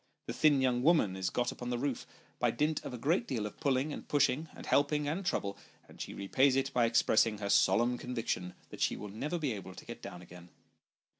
The thin young woman is got upon the roof, by TJte Start. 101 dint of a great deal of pulling, and pushing, and helping and trouble, and she repays it by expressing her solemn conviction that she will never be able to get down again.